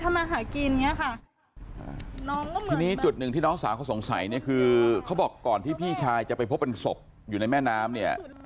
ที่นี่จุดหนึ่งที่น้องสาวเขาสงสัยเนี่ยคือเขาบอกก่อนที่พี่ชายจะไปพบเป็นศพอยู่ในแม่น้ำเนี่ย